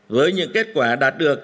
với những kết quả đạt được